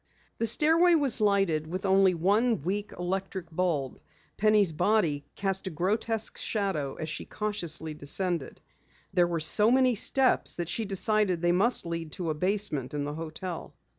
The stairway was lighted with only one weak electric bulb. Penny's body cast a grotesque shadow as she cautiously descended. There were so many steps that she decided they must lead to a basement in the hotel.